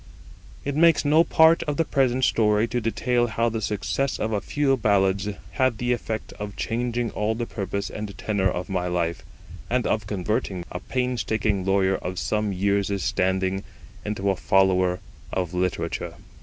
It makes no part of the present story to detail how the success of a few ballads had the effect of changing all the purpose and tenor of my life, and of converting a painstaking lawyer of some years' standing into a follower of literature.